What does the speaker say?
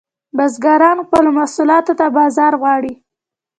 بزګران خپلو محصولاتو ته بازار غواړي